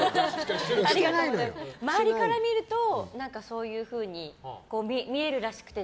周りから見るとそういうふうに見えるらしくて。